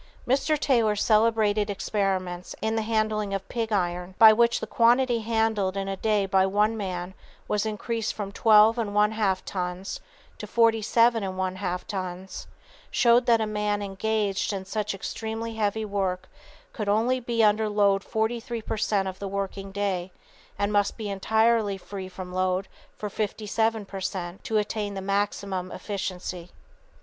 Mr. Taylor's celebrated experiments in the handling of pig iron, by which the quantity handled in a day by one man was increased from twelve and one half tons to forty seven and one half tons, "showed that a man engaged in such extremely heavy work could only be under load forty three per cent of the working day, and must be entirely free from load for fifty seven per cent, to attain the maximum efficiency."